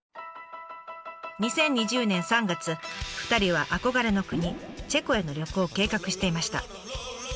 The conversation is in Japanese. ２０２０年３月２人は憧れの国チェコへの旅行を計画していました。